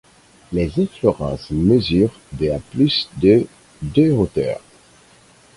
Les inflorescences mesurent de à plus de de hauteur.